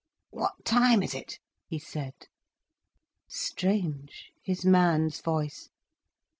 "What time is it?" he said. Strange, his man's voice.